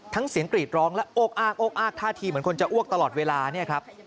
เสียงกรีดร้องและโอ๊กอากโอกอ้ากท่าทีเหมือนคนจะอ้วกตลอดเวลาเนี่ยครับ